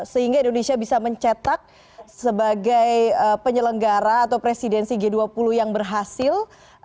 sehingga indonesia bisa mencetak sebagai penyelenggara atau presidensi g dua puluh yang berhasil